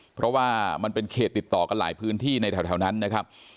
เพราะว่ามันเป็นเขตติดต่อกันหลายพื้นที่ในแถวนั้นนะครับ